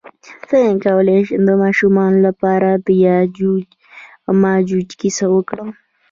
څنګه کولی شم د ماشومانو لپاره د یاجوج ماجوج کیسه وکړم